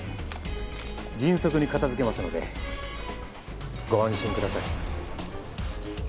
迅速に片付けますのでご安心ください。